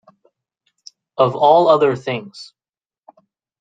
Of all other things.